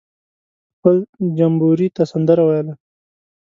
خپل جمبوري ته سندره ویله.